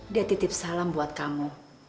dia titip salam buat kamu